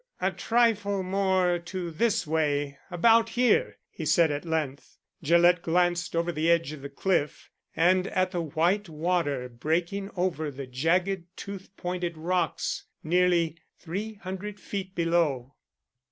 "A trifle more to this way about here," he said at length. Gillett glanced over the edge of the cliff, and at the white water breaking over the jagged tooth pointed rocks nearly three hundred feet below.